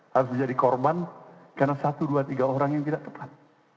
harus menjadi korban karena satu dua tiga orang yang tidak tepat